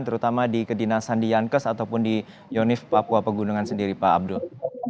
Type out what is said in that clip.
terutama di kedinasan di yankes ataupun di yonif papua pegunungan sendiri pak abdul